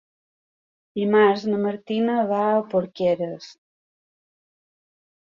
Dimarts na Martina va a Porqueres.